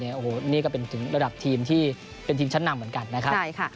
อันนี้ก็จะเป็นระดับทีมที่เป็นทีมชั้นครั้งเหมือนการนะฮา